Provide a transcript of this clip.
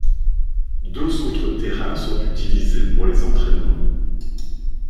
Deux autres terrains sont utilisés pour les entraînements.